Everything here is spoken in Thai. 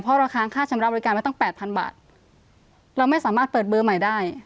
เพราะราคาค่าชำระบริการไว้ตั้งแปดพันบาทเราไม่สามารถเปิดเบอร์ใหม่ได้